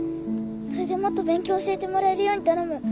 それでもっと勉強教えてもらえるように頼む。